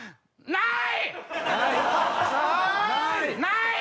ない！